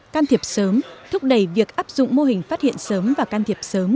can thiệp sớm thúc đẩy việc áp dụng mô hình phát hiện sớm và can thiệp sớm